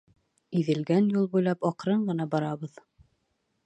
Иҙелгән юл буйлап аҡрын ғына барабыҙ.